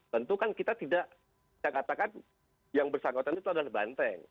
tentu kan kita tidak saya katakan yang bersangkutan itu adalah banteng